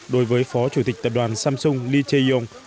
đối với phó chủ tịch tập đoàn samsung lee chae yong